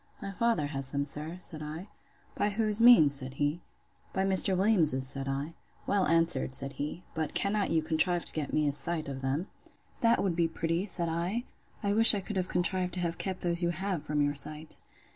My father has them, sir, said I.—By whose means? said he—By Mr. Williams's, said I. Well answered, said he. But cannot you contrive to get me a sight of them? That would be pretty! said I. I wish I could have contrived to have kept those you have from your sight.